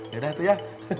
yaudah tuh ya